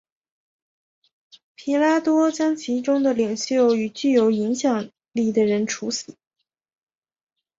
彼拉多将其中的领袖与具有影响力的人处死。